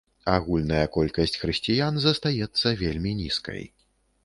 Агульная колькасць хрысціян застаецца вельмі нізкай.